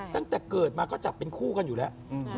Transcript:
ตั้งแต่เกิดมาก็จับเป็นคู่กันอยู่แล้ว